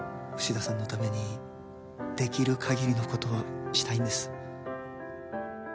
牛田さんのためにできる限りのことをしたいんです